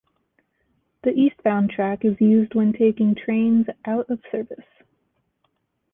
The eastbound track is used when taking trains out of service.